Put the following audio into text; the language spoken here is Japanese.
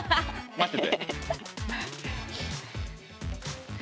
待ってて。